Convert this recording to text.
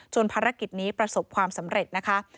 ภารกิจนี้ประสบความสำเร็จนะคะ